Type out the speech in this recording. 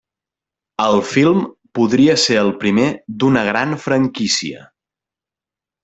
El film podria ser el primer d'una gran franquícia.